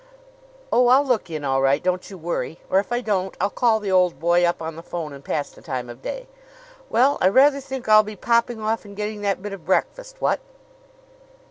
"Oh, I'll look in all right! Don't you worry! Or if I don't I'll call the old boy up on the phone and pass the time of day. Well, I rather think I'll be popping off and getting that bit of breakfast what?"